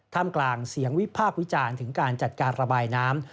มกลางเสียงวิพากษ์วิจารณ์ถึงการจัดการระบายน้ำ